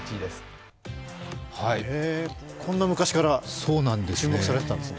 こんな昔から注目されていたんですね。